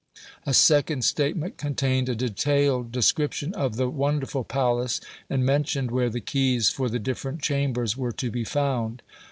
A second statement contained a detailed description of the wonderful palace, and mentioned where the keys for the different chambers were to be found.